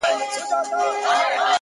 • دا خواركۍ راپسي مه ږغـوه ـ